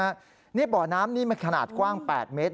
เบาะน้ำนี่ขนาดกว้าง๘เมตร